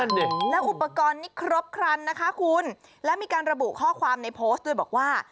แล้วอุปกรณ์นี้ครบครันนะคะคุณและมีการระบุข้อความในโพสต์ด้วยบอกว่า